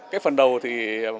cái phần đầu thì